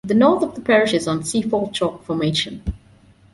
The north of the parish is on the Seaford Chalk Formation.